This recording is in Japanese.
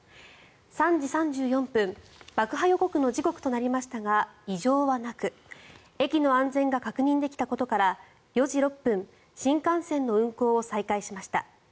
３時３４分爆破予告の時刻となりましたが異常はなく駅の安全が確認できたことから４時６分新幹線の運行を再開しました。